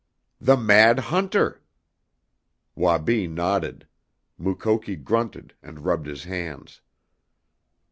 "The mad hunter!" Wabi nodded. Mukoki grunted and rubbed his hands.